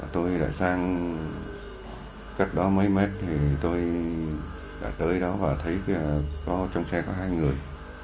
tôi đã sang cách đó mấy mét tôi đã tới đó và thấy trong xe có hai người